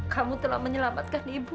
kamu telah menyelamatkan ibu